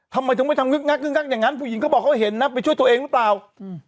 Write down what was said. ทำไมถึงไปทำงึกงักงึกงักอย่างงั้นผู้หญิงเขาบอกเขาเห็นนะไปช่วยตัวเองหรือเปล่าอืม